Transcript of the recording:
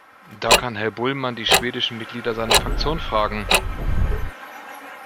Da kann Herr Bullman die schwedischen Mitglieder seiner Fraktion fragen.